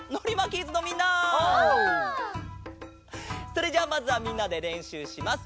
それじゃあまずはみんなでれんしゅうします。